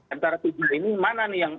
antara tujuh ini mana nih yang